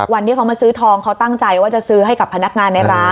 วันที่เขามาซื้อทองเขาตั้งใจว่าจะซื้อให้กับพนักงานในร้าน